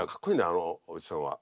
あのおじさんは。